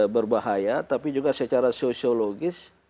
berbahaya tapi juga secara sosiologis